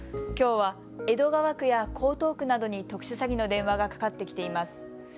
きょうは江戸川区や江東区などに特殊詐欺の電話がかかってきています。